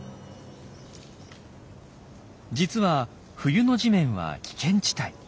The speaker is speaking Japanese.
実は冬の地面は危険地帯。